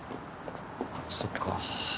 そっか。